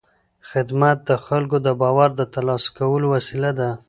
خدمت د خلکو د باور د ترلاسه کولو وسیله ده.